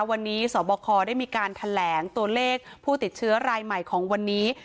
วันนี้สบคได้มีการแถลงตัวเลขผู้ติดเชื้อรายใหม่ของวันนี้